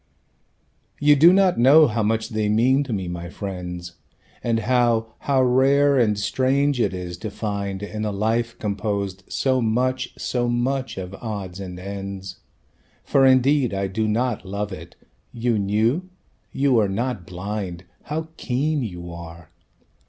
"You do not know how much they mean to me, my friends, And how, how rare and strange it is, to find In a life composed so much, so much of odds and ends, (For indeed I do not love it... you knew? you are not blind! How keen you are!)